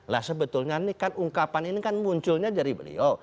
lah sebetulnya ini kan ungkapan ini kan munculnya dari beliau